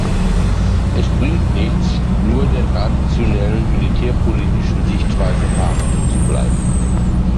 Es bringt nichts, nur der traditionellen militärpolitischen Sichtweise verhaftet zu bleiben.